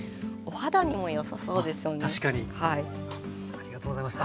ありがとうございます。